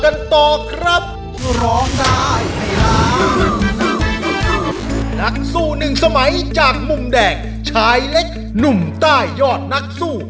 นักสู้หนึ่งศมัยจากมุมแดงชายเล็กนุมใต้ยอดนักสู้